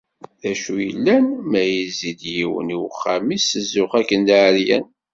D acu yellan ma yezzi-d yiwen i uxxam-is s zzux akken d aεeryan?